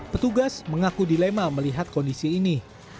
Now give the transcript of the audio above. petugas mengaku dilema melihat kondisi ini